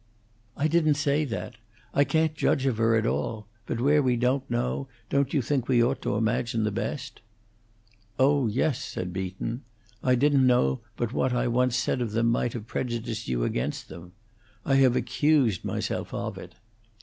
"I didn't say that. I can't judge of her at all; but where we don't know, don't you think we ought to imagine the best?" "Oh yes," said Beaton. "I didn't know but what I once said of them might have prejudiced you against them. I have accused myself of it."